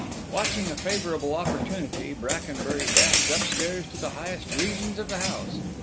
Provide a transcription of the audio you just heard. Watching a favourable opportunity, Brackenbury dashed upstairs to the highest regions of the house.